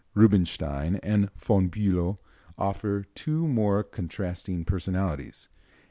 Rubinstein and Von Bülow offer two more contrasting personalities.